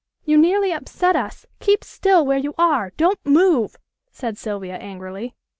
"You nearly upset us; keep still where you are. Don't move!" said Sylvia angrily.